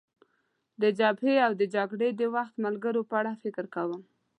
د جبهې او د جګړې د وخت ملګرو په اړه فکر کوم.